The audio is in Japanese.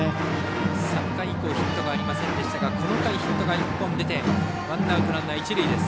３回以降ヒットがありませんでしたがこの回にヒットが１本出てワンアウト、ランナー、一塁です。